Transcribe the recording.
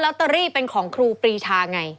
ตอรี่เป็นของครูปรีชาไง